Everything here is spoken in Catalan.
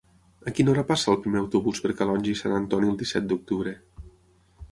A quina hora passa el primer autobús per Calonge i Sant Antoni el disset d'octubre?